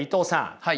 はい。